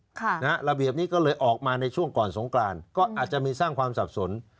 ค่ะนะฮะระเบียบนี้ก็เลยออกมาในช่วงก่อนสงกรานก็อาจจะมีสร้างความสับสน